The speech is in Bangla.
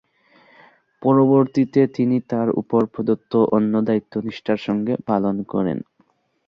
পরবর্তীতে তিনি তার ওপর প্রদত্ত অন্য দায়িত্ব নিষ্ঠার সঙ্গে পালন করেন।